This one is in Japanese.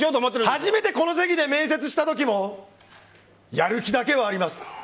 初めてこの席で面接した時もやる気だけはあります。